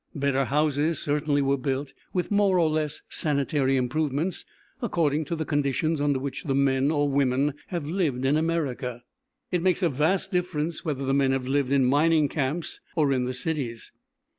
Better houses certainly were built, with more or less sanitary improvements according to the conditions under which the men or women have lived in America. It makes a vast difference whether the men have lived in mining camps or in the cities.